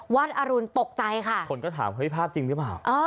อรุณตกใจค่ะคนก็ถามเฮ้ยภาพจริงหรือเปล่า